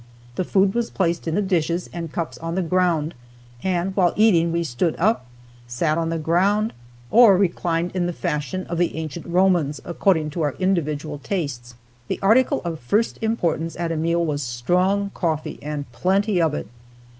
The food was placed in the dishes and cups on the ground, and while eating we stood up, sat on the ground or reclined in the fashion of the ancient Romans, according to our individual tastes. The article of first importance at a meal was strong coffee and plenty of it.